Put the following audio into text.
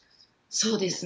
そうですね。